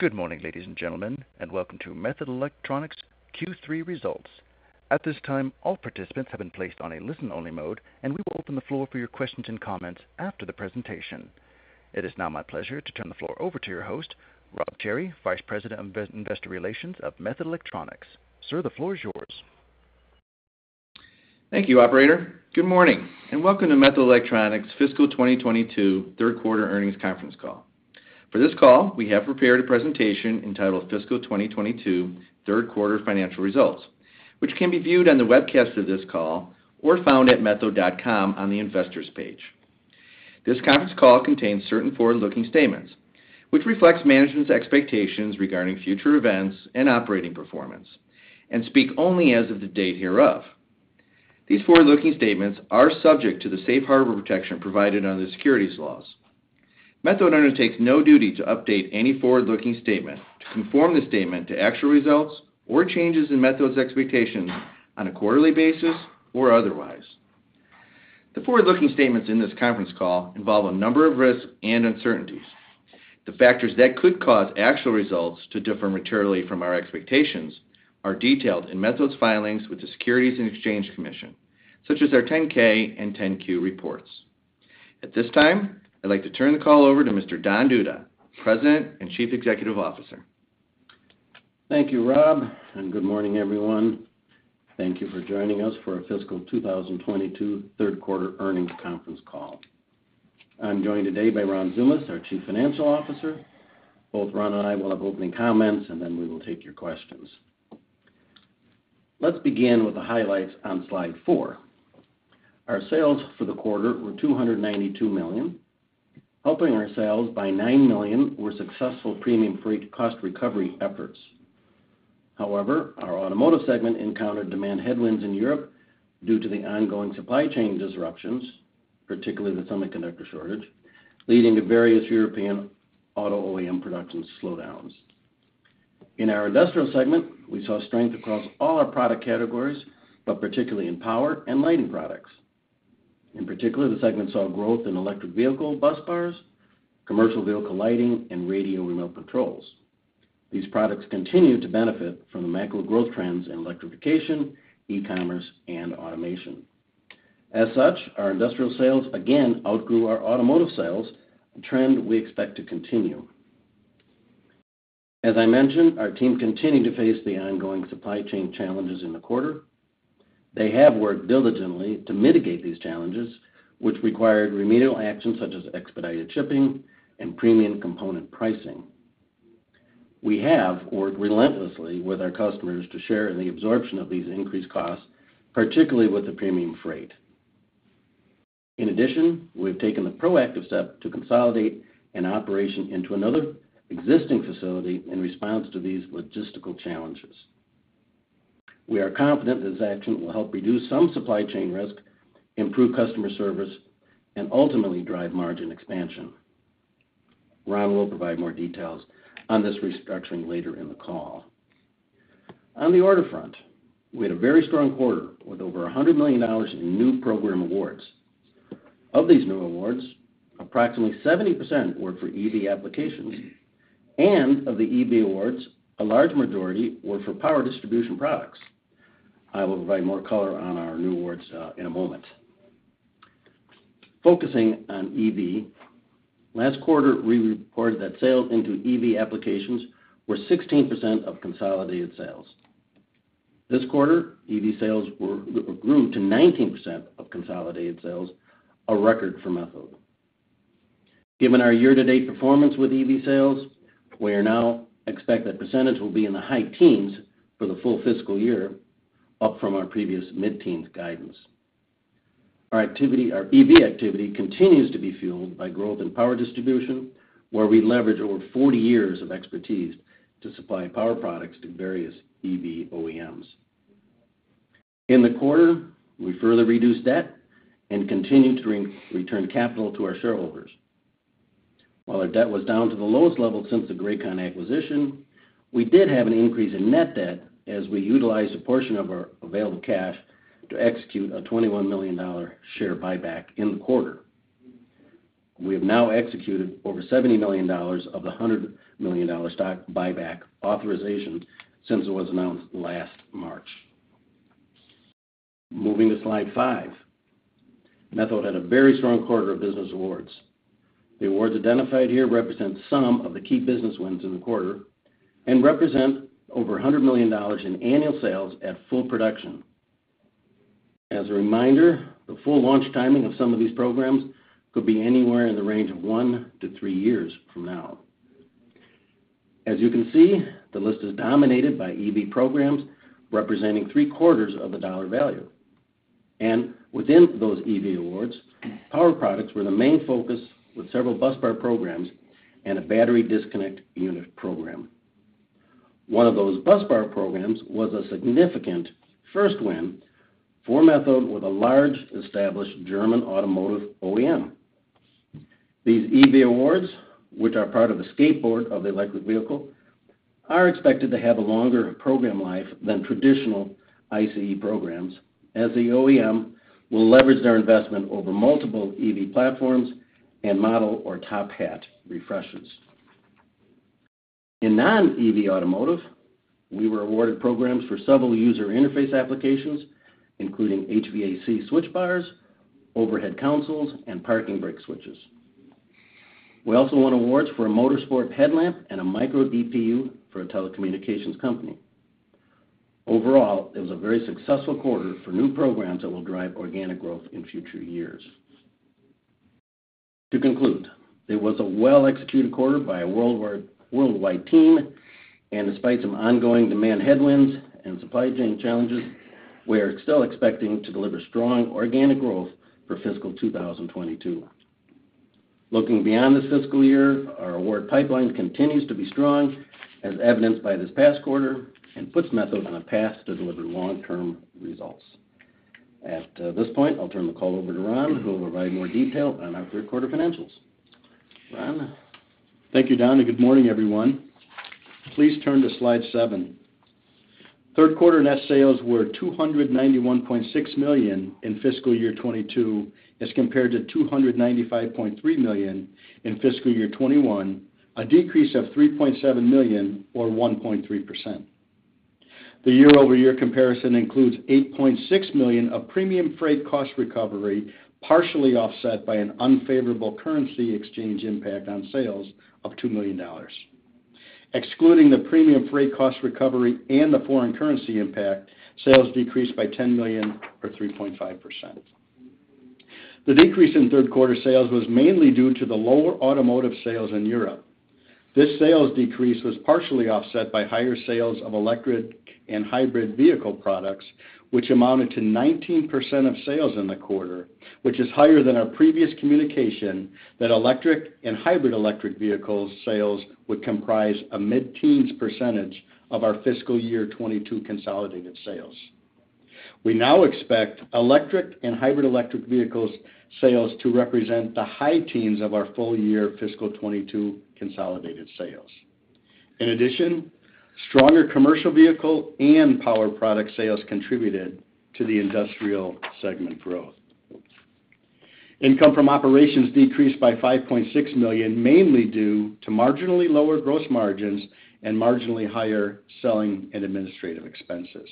Good morning, ladies and gentlemen, and welcome to Methode Electronics' Q3 Results. At this time, all participants have been placed on a listen-only mode, and we will open the floor for your questions and comments after the presentation. It is now my pleasure to turn the floor over to your host, Rob Cherry, Vice President of Investor Relations of Methode Electronics. Sir, the floor is yours. Thank you, operator. Good morning, and welcome to Methode Electronics' fiscal 2022 Q3 quarter earnings conference call. For this call, we have prepared a presentation entitled Fiscal 2022 Q3 Financial Results, which can be viewed on the webcast of this call or found at methode.com on the Investors page. This conference call contains certain forward-looking statements, which reflect management's expectations regarding future events and operating performance and speak only as of the date hereof. These forward-looking statements are subject to the safe harbor protection provided under the securities laws. Methode undertakes no duty to update any forward-looking statement to conform the statement to actual results or changes in Methode's expectations on a quarterly basis or otherwise. The forward-looking statements in this conference call involve a number of risks and uncertainties. The factors that could cause actual results to differ materially from our expectations are detailed in Methode's filings with the Securities and Exchange Commission, such as our 10-K and 10-Q reports. At this time, I'd like to turn the call over to Mr. Don Duda, President and Chief Executive Officer. Thank you, Rob, and good morning, everyone. Thank you for joining us for our fiscal 2022 Q3 earnings conference call. I'm joined today by Ron Tsoumas, our Chief Financial Officer. Both Ron and I will have opening comments, and then we will take your questions. Let's begin with the highlights on slide 4. Our sales for the quarter were $292 million. Helping our sales by $9 million were successful premium freight cost recovery efforts. However, our Automotive segment encountered demand headwinds in Europe due to the ongoing supply chain disruptions, particularly the semiconductor shortage, leading to various European auto OEM production slowdowns. In our Industrial segment, we saw strength across all our product categories, but particularly in power and lighting products. In particular, the segment saw growth in electric vehicle busbars, commercial vehicle lighting, and radio remote controls. These products continue to benefit from the macro growth trends in electrification, e-commerce, and automation. As such, our Industrial sales again outgrew our Automotive sales, a trend we expect to continue. As I mentioned, our team continued to face the ongoing supply chain challenges in the quarter. They have worked diligently to mitigate these challenges, which required remedial actions such as expedited shipping and premium component pricing. We have worked relentlessly with our customers to share in the absorption of these increased costs, particularly with the premium freight. In addition, we've taken the proactive step to consolidate an operation into another existing facility in response to these logistical challenges. We are confident this action will help reduce some supply chain risk, improve customer service, and ultimately drive margin expansion. Ron will provide more details on this restructuring later in the call. On the order front, we had a very strong quarter with over $100 million in new program awards. Of these new awards, approximately 70% were for EV applications, and of the EV awards, a large majority were for power distribution products. I will provide more color on our new awards in a moment. Focusing on EV, last quarter, we reported that sales into EV applications were 16% of consolidated sales. This quarter, EV sales grew to 19% of consolidated sales, a record for Methode. Given our year-to-date performance with EV sales, we now expect that percentage will be in the high teens for the full fiscal year, up from our previous mid-teens guidance. Our EV activity continues to be fueled by growth in power distribution, where we leverage over 40 years of expertise to supply power products to various EV OEMs. In the quarter, we further reduced debt and continued to return capital to our shareholders. While our debt was down to the lowest level since the Grakon acquisition, we did have an increase in net debt as we utilized a portion of our available cash to execute a $21 million share buyback in the quarter. We have now executed over $70 million of the $100 million stock buyback authorization since it was announced last March. Moving to slide 5. Methode had a very strong quarter of business awards. The awards identified here represent some of the key business wins in the quarter and represent over $100 million in annual sales at full production. As a reminder, the full launch timing of some of these programs could be anywhere in the range of one to three years from now. As you can see, the list is dominated by EV programs representing three-quarters of the dollar value. Within those EV awards, power products were the main focus with several busbar programs and a battery disconnect unit program. One of those busbar programs was a significant first win for Methode with a large established German automotive OEM. These EV awards, which are part of the skateboard of the electric vehicle, are expected to have a longer program life than traditional ICE programs as the OEM will leverage their investment over multiple EV platforms and model or top-hat refreshes. In Non-EV Automotive, we were awarded programs for several user interface applications, including HVAC switch bars, overhead consoles, and parking brake switches. We also won awards for a motorsport headlamp and a micro DPU for a telecommunications company. Overall, it was a very successful quarter for new programs that will drive organic growth in future years. To conclude, it was a well-executed quarter by a worldwide team, and despite some ongoing demand headwinds and supply chain challenges, we are still expecting to deliver strong organic growth for fiscal 2022. Looking beyond this fiscal year, our award pipeline continues to be strong, as evidenced by this past quarter, and puts Methode on a path to deliver long-term results. At this point, I'll turn the call over to Ron, who will provide more detail on our Q3 financials. Ron? Thank you, Don, and good morning, everyone. Please turn to slide seven. Q3 net sales were $291.6 million in fiscal year 2022 as compared to $295.3 million in fiscal year 2021, a decrease of $3.7 million or 1.3%. The year-over-year comparison includes $8.6 million of premium freight cost recovery, partially offset by an unfavorable currency exchange impact on sales of $2 million. Excluding the premium freight cost recovery and the foreign currency impact, sales decreased by $10 million or 3.5%. The decrease in Q3 sales was mainly due to the lower Automotive sales in Europe. This sales decrease was partially offset by higher sales of electric and hybrid vehicle products, which amounted to 19% of sales in the quarter, which is higher than our previous communication that electric and hybrid vehicle sales would comprise a mid-teens percentage of our fiscal year 2022 consolidated sales. We now expect electric and hybrid electric vehicle sales to represent the high teens of our full-year fiscal 2022 consolidated sales. In addition, stronger commercial vehicle and power product sales contributed to the Industrial segment growth. Income from operations decreased by $5.6 million, mainly due to marginally lower gross margins and marginally higher selling and administrative expenses.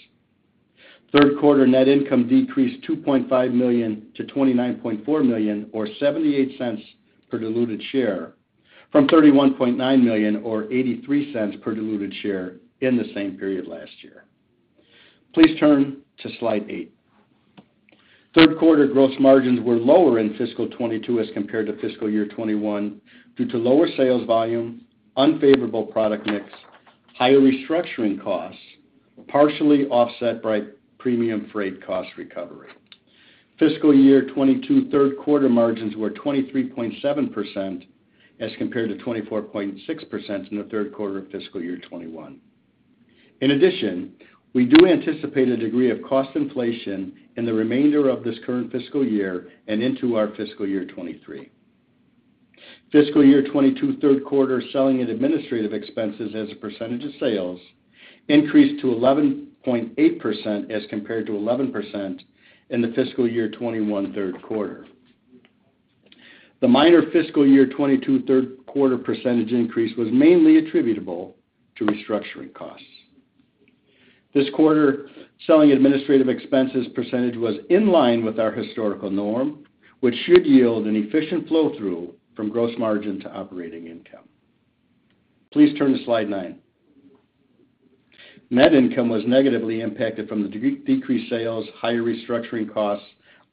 Q3 net income decreased $2.5 million to $29.4 million or $0.78 per diluted share from $31.9 million or $0.83 per diluted share in the same period last year. Please turn to slide 8. Q3 gross margins were lower in fiscal 2022 as compared to fiscal year 2021 due to lower sales volume, unfavorable product mix, and higher restructuring costs, partially offset by premium freight cost recovery. Fiscal year 2022 Q3 margins were 23.7% as compared to 24.6% in the Q3 of fiscal year 2021. In addition, we do anticipate a degree of cost inflation in the remainder of this current fiscal year and into our fiscal year 2023. Fiscal year 2022 Q3 selling and administrative expenses as a percentage of sales increased to 11.8% as compared to 11% in the fiscal year 2021 Q3. The minor fiscal year 2022 Q3 percentage increase was mainly attributable to restructuring costs. This quarter, the selling administrative expenses percentage was in line with our historical norm, which should yield an efficient flow-through from gross margin to operating income. Please turn to slide 9. Net income was negatively impacted from the decreased sales, higher restructuring costs,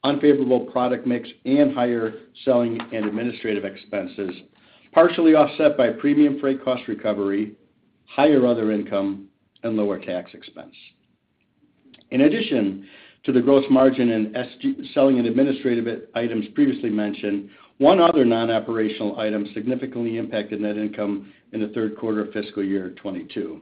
unfavorable product mix, and higher selling and administrative expenses, partially offset by premium freight cost recovery, higher other income, and lower tax expense. In addition to the gross margin and selling and administrative items previously mentioned, one other non-operational item significantly impacted net income in Q3 of fiscal year 2022.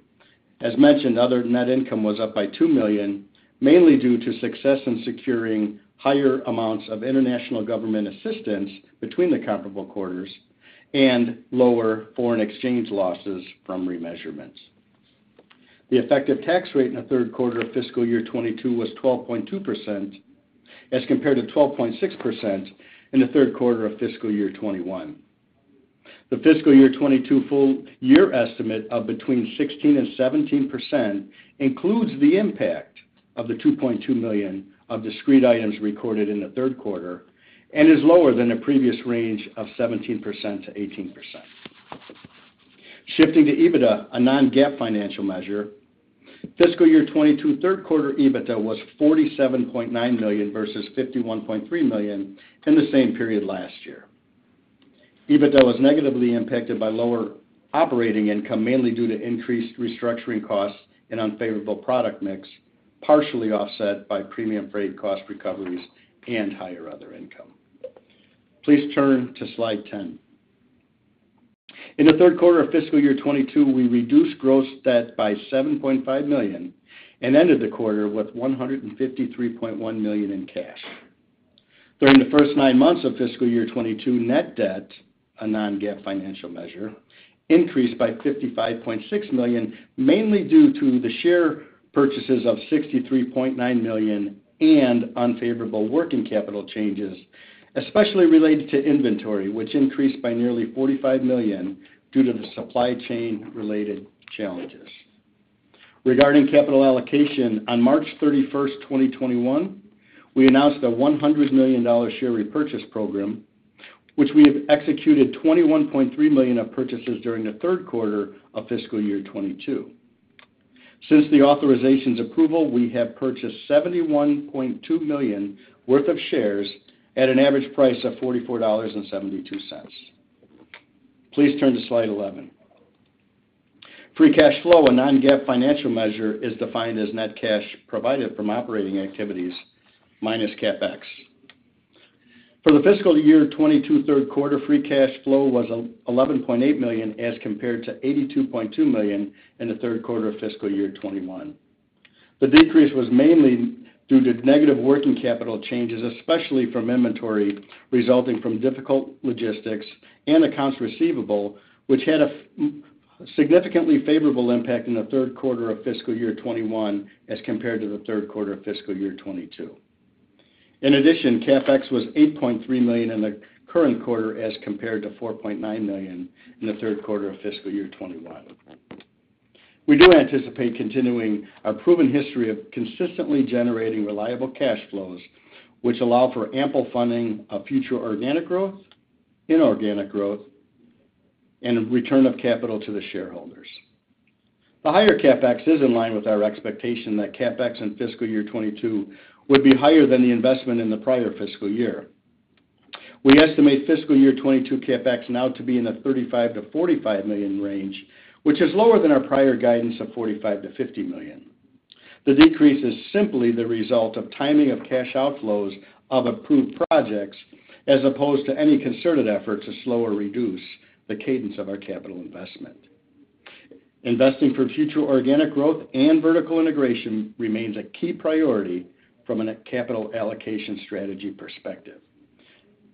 As mentioned, other net income was up by $2 million, mainly due to success in securing higher amounts of international government assistance between the comparable quarters and lower foreign exchange losses from remeasurements. The effective tax rate in Q3 of fiscal year 2022 was 12.2% as compared to 12.6% in Q3 of fiscal year 2021. The fiscal year 2022 full-year estimate of between 16% and 17% includes the impact of the $2.2 million of discrete items recorded in Q3 and is lower than the previous range of 17%-18%. Shifting to EBITDA, a non-GAAP financial measure, fiscal year 2022 Q3 EBITDA was $47.9 million versus $51.3 million in the same period last year. EBITDA was negatively impacted by lower operating income, mainly due to increased restructuring costs and unfavorable product mix, partially offset by premium freight cost recoveries and higher other income. Please turn to slide 10. In Q3 of fiscal year 2022, we reduced gross debt by $7.5 million and ended the quarter with $153.1 million in cash. During the first nine months of fiscal year 2022, net debt, a non-GAAP financial measure, increased by $55.6 million, mainly due to the share purchases of $63.9 million and unfavorable working capital changes, especially related to inventory, which increased by nearly $45 million due to the supply chain-related challenges. Regarding capital allocation, on March 31, 2021, we announced a $100 million share repurchase program, which we have executed $21.3 million of purchases during Q3 of fiscal year 2022. Since the authorization's approval, we have purchased $71.2 million worth of shares at an average price of $44.72. Please turn to slide 11. Free cash flow, a non-GAAP financial measure, is defined as net cash provided from operating activities minus CapEx. For the fiscal year 2022 Q3, free cash flow was $11.8 million as compared to $82.2 million in Q3 of fiscal year 2021. The decrease was mainly due to negative working capital changes, especially from inventory resulting from difficult logistics and accounts receivable, which had a significantly favorable impact in Q3 of fiscal year 2021 as compared to Q3 of fiscal year 2022. In addition, CapEx was $8.3 million in the current quarter as compared to $4.9 million in Q3 of fiscal year 2021. We do anticipate continuing our proven history of consistently generating reliable cash flows, which allow for ample funding of future organic growth, inorganic growth, and return of capital to the shareholders. The higher CapEx is in line with our expectation that CapEx in fiscal year 2022 would be higher than the investment in the prior fiscal year. We estimate fiscal year 2022 CapEx now to be in the $35 million-$45 million range, which is lower than our prior guidance of $45 million-$50 million. The decrease is simply the result of timing of cash outflows of approved projects as opposed to any concerted effort to slow or reduce the cadence of our capital investment. Investing for future organic growth and vertical integration remains a key priority from a net capital allocation strategy perspective.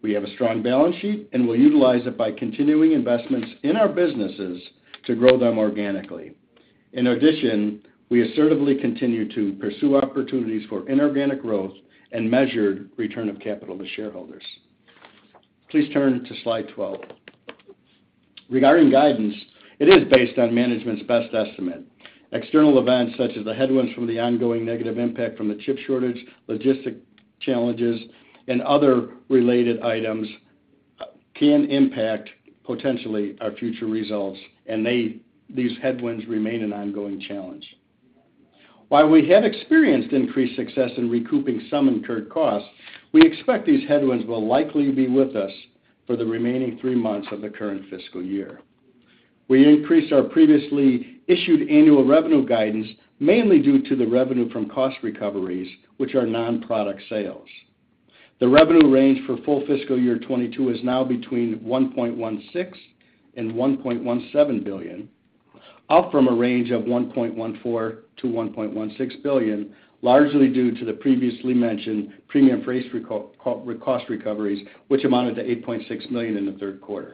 We have a strong balance sheet, and we'll utilize it by continuing investments in our businesses to grow them organically. In addition, we assertively continue to pursue opportunities for inorganic growth and measured return of capital to shareholders. Please turn to slide 12. Regarding guidance, it is based on management's best estimate. External events such as the headwinds from the ongoing negative impact from the chip shortage, logistic challenges, and other related items can impact potentially our future results, and these headwinds remain an ongoing challenge. While we have experienced increased success in recouping some incurred costs, we expect these headwinds will likely be with us for the remaining three months of the current fiscal year. We increased our previously issued annual revenue guidance mainly due to the revenue from cost recoveries, which are non-product sales. The revenue range for the full fiscal year 2022 is now between $1.16 billion and $1.17 billion, up from a range of $1.14 billion-$1.16 billion, largely due to the previously mentioned premium freight recovery cost recoveries, which amounted to $8.6 million in Q3.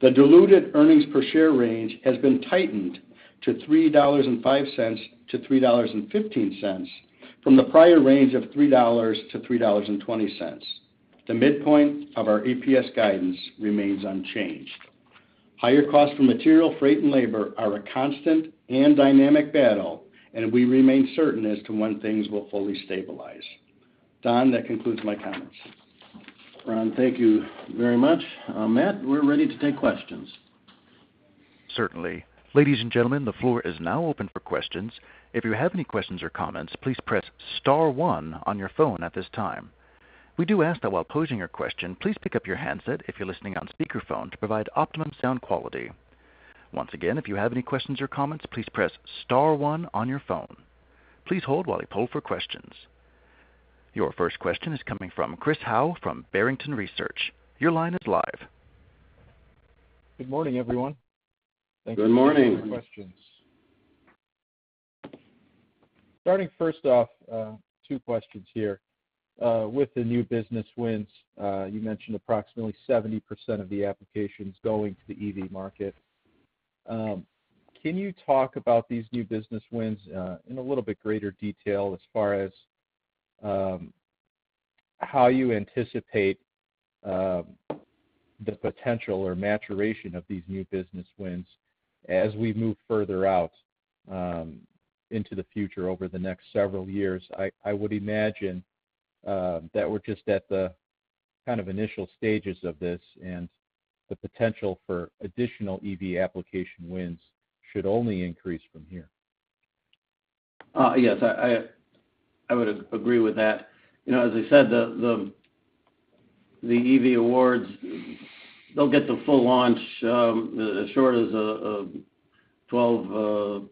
The diluted earnings per share range has been tightened to $3.05-$3.15 from the prior range of $3-$3.20. The midpoint of our EPS guidance remains unchanged. Higher costs for material, freight, and labor are a constant and dynamic battle, and we remain uncertain as to when things will fully stabilize. Don, that concludes my comments. Ron, thank you very much. Matt, we're ready to take questions. Certainly. Ladies and gentlemen, the floor is now open for questions. If you have any questions or comments, please press star one on your phone at this time. We do ask that while posing your question, please pick up your handset if you're listening on speakerphone to provide optimum sound quality. Once again, if you have any questions or comments, please press star one on your phone. Please hold while we poll for questions. Your first question is coming from Chris Howe from Barrington Research. Your line is live. Good morning, everyone. Good morning. Thank you for taking my questions. Starting first off, two questions here. With the new business wins, you mentioned approximately 70% of the applications going to the EV market. Can you talk about these new business wins in a little bit greater detail as far as how you anticipate the potential or maturation of these new business wins as we move further out into the future over the next several years? I would imagine that we're just at the kind of initial stages of this, and the potential for additional EV application wins should only increase from here. Yes, I would agree with that. You know, as I said, the EV awards, they'll get the full launch as short as 12,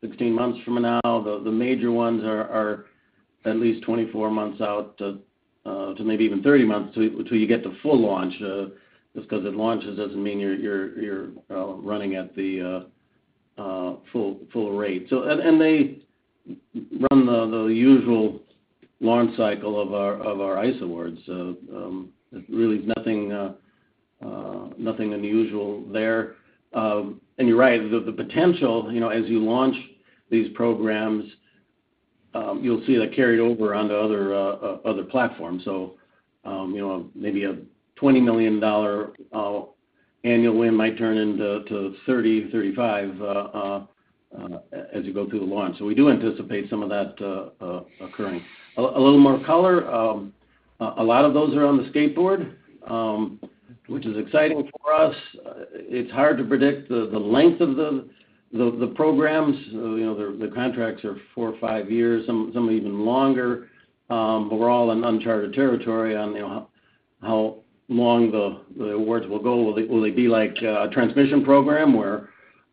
16 months from now. The major ones are at least 24 months out to maybe even 30 months until you get the full launch. Just because it launches doesn't mean you're running at the full rate. They run the usual launch cycle of our ICE awards. Really nothing unusual there. You're right. The potential, you know, as you launch these programs, you'll see that carried over onto other platforms. You know, maybe a $20 million annual win might turn into $30 million-$35 million as you go through the launch. We do anticipate some of that occurring. A little more color. A lot of those are on the skateboard, which is exciting for us. It's hard to predict the length of the programs. You know, the contracts are four or five years, some even longer. We're all in uncharted territory on, you know, how long the awards will go. Will they be like a transmission program, where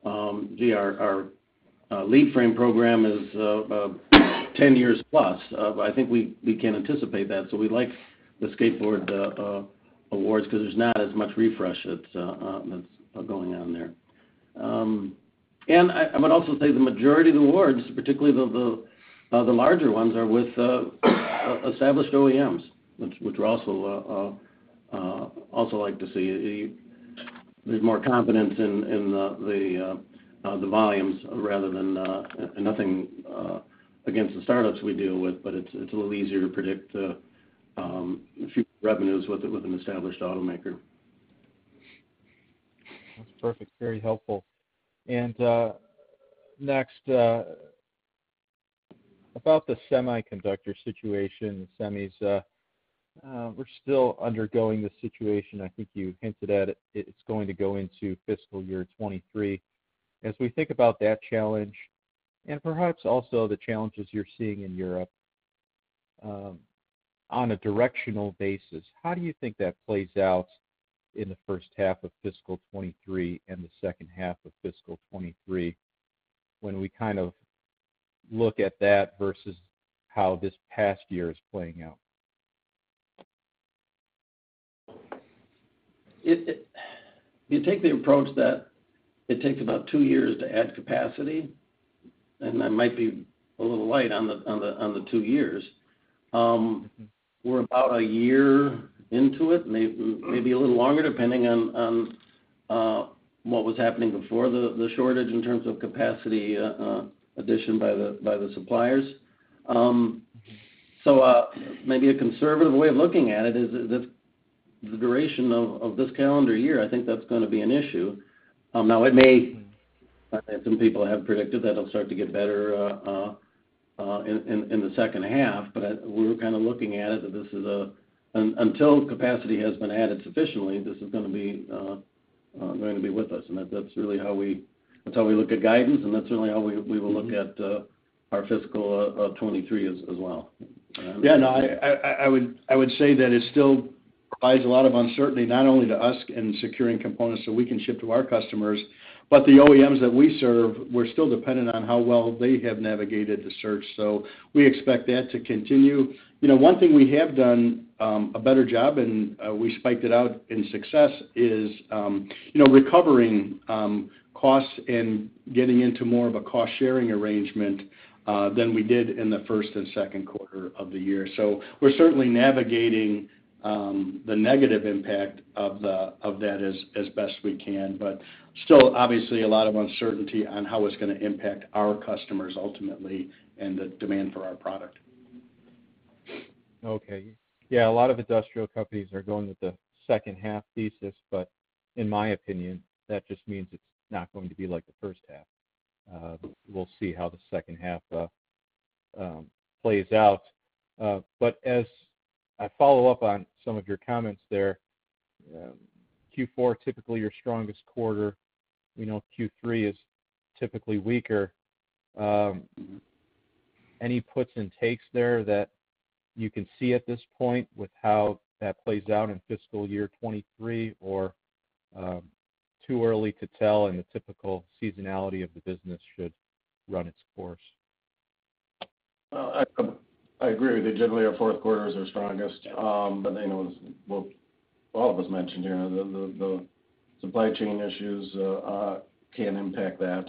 our lead frame program is 10+ years? I think we can anticipate that. We like the skateboard awards because there's not as much refresh that's going on there. I would also say the majority of the awards, particularly the larger ones, are with established OEMs, which we also like to see. There's more confidence in the volumes rather than nothing against the startups we deal with, it's a little easier to predict future revenues with an established automaker. That's perfect. Very helpful. Next, about the semiconductor situation, semis, we're still undergoing the situation. I think you hinted at it. It's going to go into fiscal year 2023. As we think about that challenge and perhaps also the challenges you're seeing in Europe, on a directional basis, how do you think that plays out in the first half of fiscal 2023 and the second half of fiscal 2023 when we kind of look at that versus how this past year is playing out? You take the approach that it takes about two years to add capacity, and I might be a little light on the two years. We're about a year into it, maybe a little longer, depending on what was happening before the shortage in terms of capacity addition by the suppliers. Maybe a conservative way of looking at it is that the duration of this calendar year, I think that's gonna be an issue. Now, it may. Some people have predicted that it'll start to get better in the second half. We're kind of looking at it that this is until capacity has been added sufficiently. This is gonna be with us. That's really how we look at guidance, and that's really how we will look at our fiscal 2023 as well. Yeah, no, I would say that it still provides a lot of uncertainty, not only to us in securing components so we can ship to our customers, but the OEMs that we serve. We're still dependent on how well they have navigated the shortage. We expect that to continue. You know, one thing we have done a better job, and we spoke about our success, is recovering costs and getting into more of a cost-sharing arrangement than we did in Q1 and Q2 of the year. We're certainly navigating the negative impact of that as best we can. Still, obviously, a lot of uncertainty on how it's gonna impact our customers ultimately and the demand for our product. Okay. Yeah, a lot of industrial companies are going with the second half thesis, but in my opinion, that just means it's not going to be like the first half. We'll see how the second half plays out. As I follow up on some of your comments there, Q4 is typically your strongest quarter. We know Q3 is typically weaker. Any puts and takes there that you can see at this point with how that plays out in fiscal year 2023 or too early to tell, and the typical seasonality of the business should run its course? I agree with you. Generally, our Q4 is our strongest. As well, all of us mentioned here, the supply chain issues can impact that.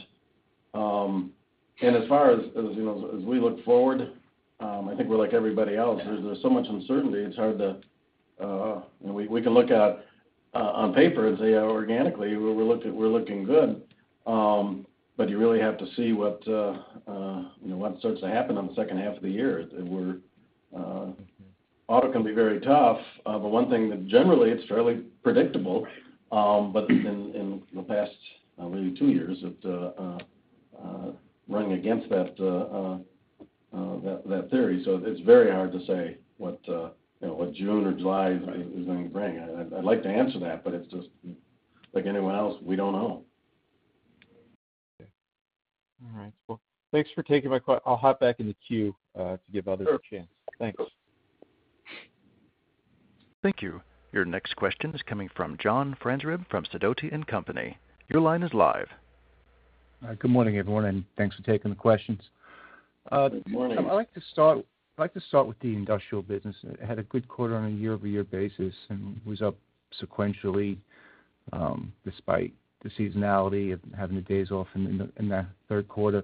As far as you know, as we look forward, I think we're like everybody else. There's so much uncertainty, it's hard to. You know, we can look at it on paper and say, organically, we're looking good. You really have to see what, you know, what starts to happen on the second half of the year. Our auto can be very tough. One thing that... Generally, it's fairly predictable in the past maybe two years, is running against that theory. It's very hard to say what June or July is going to bring. I'd like to answer that, but it's just like anyone else, we don't know. All right. Well, thanks for taking my question. I'll hop back in the queue to give others a chance. Thanks. Thank you. Your next question is coming from John Franzreb from Sidoti & Company. Your line is live. Good morning, everyone, and thanks for taking the questions. I'd like to start with the Industrial business. It had a good quarter on a year-over-year basis and was up sequentially, despite the seasonality of having the days off in that Q3.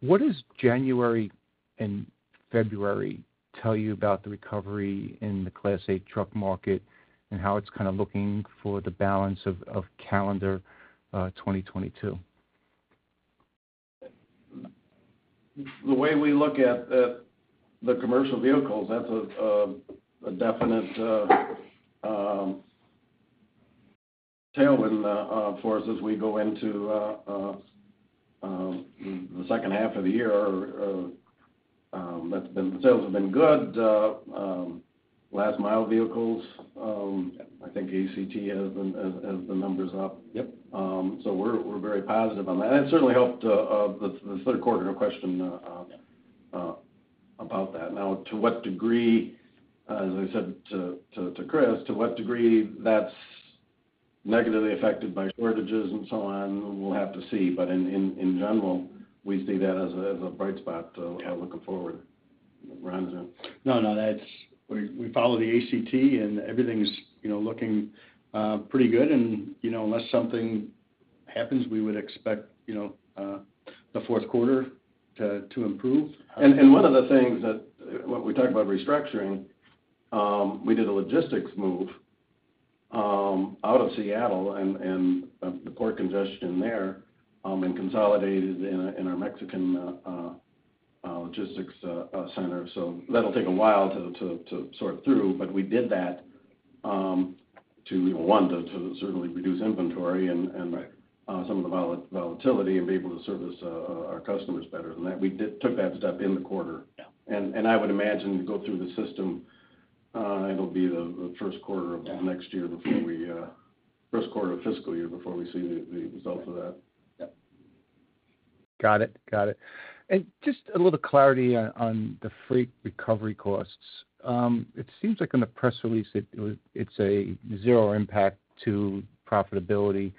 What do January and February tell you about the recovery in the Class 8 truck market and how it's kind of looking for the balance of calendar 2022? The way we look at the commercial vehicles, that's a definite tailwind for us as we go into the second half of the year. Sales have been good. Last mile vehicles, I think ACT has the numbers up. We're very positive on that. It certainly helped the Q3, no question about that. Now, to what degree, as I said to Chris, that's negatively affected by shortages and so on, we'll have to see. In general, we see that as a bright spot looking forward. No, that's. We follow the ACT, and everything's, you know, looking pretty good. You know, unless something happens, we would expect, you know, the Q4 to improve. One of the things that when we talk about restructuring, we did a logistics move out of Seattle and the port congestion there, and we consolidated in our Mexican logistics center. So that'll take a while to sort through, but we did that to one, to certainly reduce inventory and some of the volatility and be able to service our customers better than that. We did take that step in the quarter. Yeah. I would imagine to go through the system, it'll be Q1 of next year before we see the results of that. Yeah. Got it. Just a little clarity on the freight recovery costs. It seems like in the press release, it's a zero impact on profitability.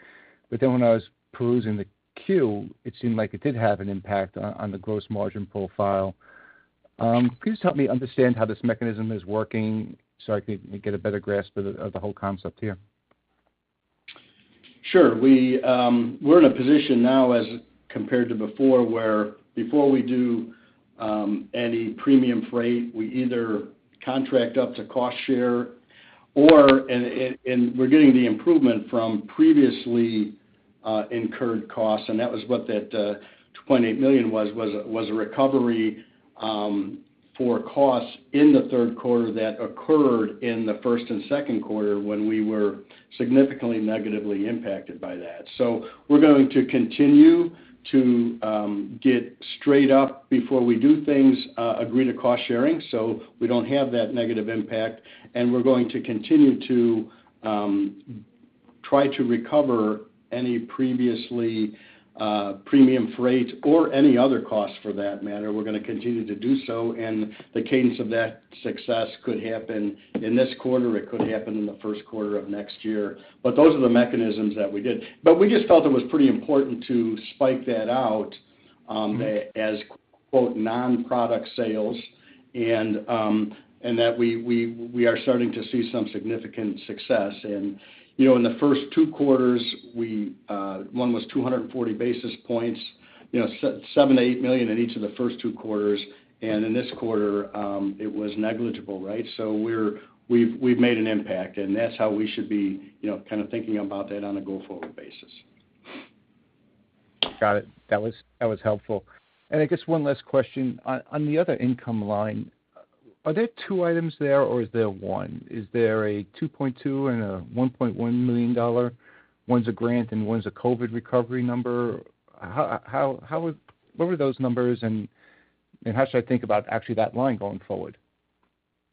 Then, when I was perusing the Q, it seemed like it did have an impact on the gross margin profile. Could you just help me understand how this mechanism is working so I can get a better grasp of the whole concept here? Sure. We're in a position now as compared to before, where before we do any premium freight, we either contract or cost share, and we're getting the improvement from previously incurred costs, and that was what that $28 million was, a recovery for costs in Q3 that occurred in Q1 and Q2 when we were significantly negatively impacted by that. We're going to continue to get straight up before we do things, and agree to cost sharing, so we don't have that negative impact. We're going to continue to try to recover any previously premium freight or any other cost for that matter. We're gonna continue to do so, and the cadence of that success could happen in this quarter. It could happen in Q1 of next year. Those are the mechanisms that we did. We just felt it was pretty important to spike that out as "non-product sales," and that we are starting to see some significant success. You know, in the first two quarters, one was 240 basis points, you know, $7 million-$8 million in each of the first two quarters. In this quarter, it was negligible, right? We've made an impact, and that's how we should be, you know, kind of thinking about that on a go-forward basis. Got it. That was helpful. I guess one last question. On the other income line, are there two items there or is there one? Is there a $2.2 million and a $1.1 million? One's a grant and one's a COVID recovery number. What were those numbers, and how should I think about that line going forward?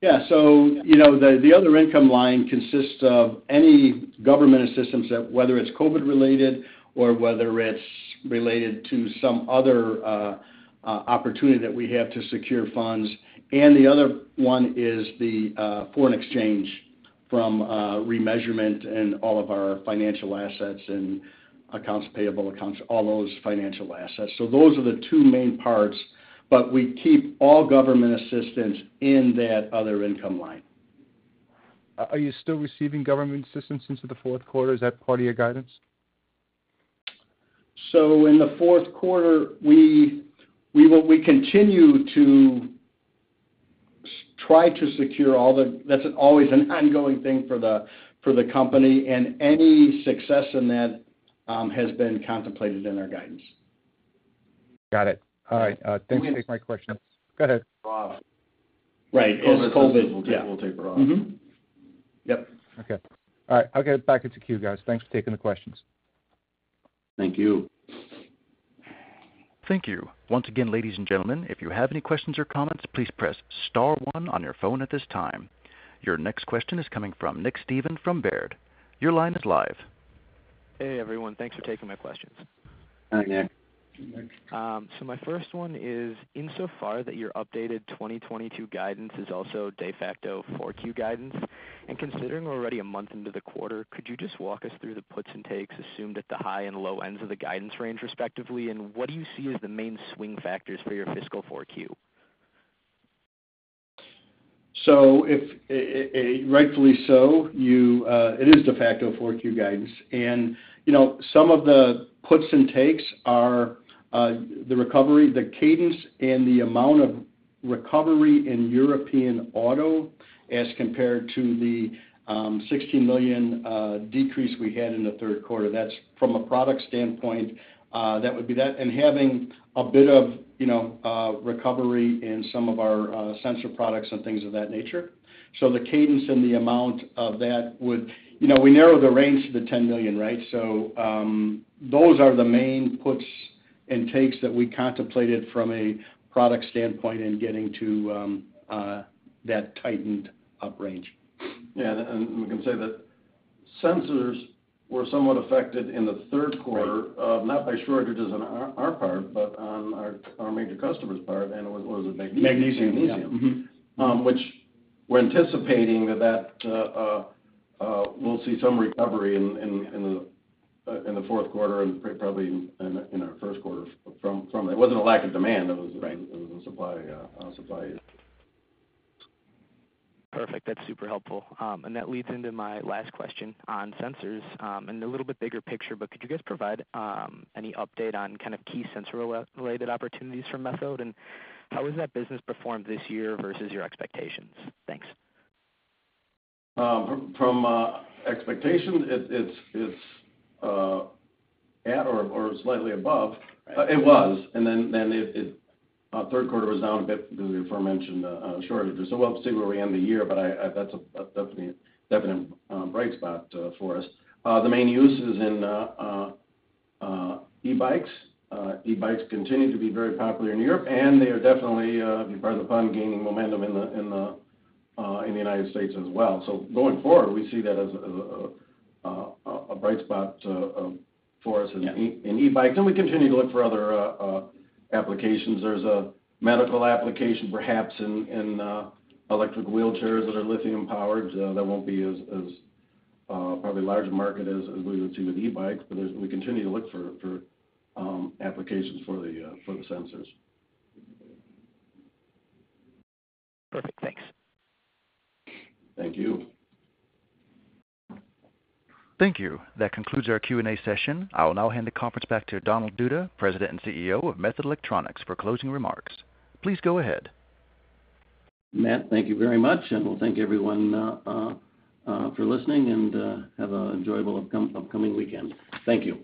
Yeah. You know, the other income line consists of any government assistance, whether it's COVID-related or whether it's related to some other opportunity that we have to secure funds. The other one is the foreign exchange from remeasurement and all of our financial assets and accounts payable, all those financial assets. Those are the two main parts, but we keep all government assistance in that other income line. Are you still receiving government assistance in Q4? Is that part of your guidance? In Q4, we continue to try to secure all the... That's always an ongoing thing for the company, and any success in that has been contemplated in our guidance. Got it. All right. Thanks for taking my question. Go ahead. It's COVID. Okay. All right. I'll get back into the queue, guys. Thanks for taking the questions. Thank you. Thank you. Once again, ladies and gentlemen, if you have any questions or comments, please press star one on your phone at this time. Your next question is coming from Nick Stephan from Baird. Your line is live. Hey, everyone. Thanks for taking my questions. Hi, Nick. My first one is insofar as your updated 2022 guidance is also de facto Q4 guidance, and considering we're already a month into the quarter, could you just walk us through the puts and takes assumed at the high and low ends of the guidance range, respectively? What do you see as the main swing factors for your fiscal Q4? If rightfully so, it is de facto Q4 guidance. You know, some of the puts and takes are the recovery, the cadence, and the amount of recovery in European auto as compared to the $16 million decrease we had in Q3. From a product standpoint, that would be that. Having a bit of, you know, recovery in some of our sensor products and things of that nature. The cadence and the amount of that would. You know, we narrowed the range to the $10 million, right? Those are the main puts and takes that we contemplated from a product standpoint in getting to that tightened-up range. Yeah. We can say that sensors were somewhat affected in Q3. Not by shortages on our part, but on our major customer's part. What was it? Magnesium. Magnesium. Yeah. Magnesium. We're anticipating that we'll see some recovery in Q4 and probably in our Q1. It wasn't a lack of demand. It was a supply issue. Perfect. That's super helpful. That leads into my last question on sensors, and a little bit bigger picture, but could you guys provide any update on kind of key sensor-related opportunities for Methode? How has that business performed this year versus your expectations? Thanks. From expectations, it's at or slightly above. It was, and then Q3 was down a bit due to the aforementioned shortages. We'll have to see where we end the year, but that's definitely a bright spot for us. The main use is in e-bikes. E-bikes continue to be very popular in Europe, and they are definitely, if you pardon the pun, gaining momentum in the United States as well. Going forward, we see that as a bright spot for us in e-bikes. We continue to look for other applications. There's a medical application perhaps in electric wheelchairs that are lithium-powered. That won't be as probably large a market as we would see with e-bikes. We continue to look for applications for the sensors. Perfect. Thanks. Thank you. Thank you. That concludes our Q&A session. I will now hand the conference back to Donald Duda, President and CEO of Methode Electronics, for closing remarks. Please go ahead. Matt, thank you very much, and we'll thank everyone for listening, and have an enjoyable upcoming weekend. Thank you.